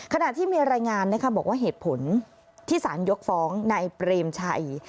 ขณะที่มีรายงานนะคะบอกว่าเหตุผลที่สารยกฟ้องนายเปรมชัย